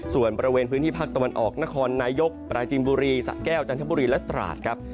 ส่วนบริเวณพื้นที่ภาคตะวันออกนครนายกสะแก้วจันทร์บุรีและตราสครับ